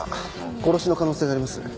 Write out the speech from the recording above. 殺しの可能性があります。